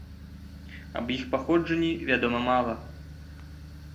Аб іх паходжанні вядома мала.